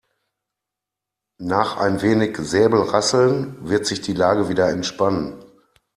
Nach ein wenig Säbelrasseln wird sich die Lage wieder entspannen.